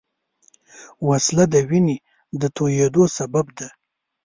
وسله د وینې د تویېدو سبب ده